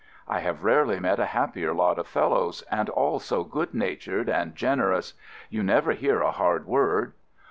I have rarely met a happier lot of fellows and all so good natured and generous. You never hear a hard word.